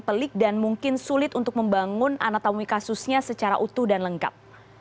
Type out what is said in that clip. pelik dan mungkin sulit untuk membangun anatomi kasusnya secara utuh dan lengkap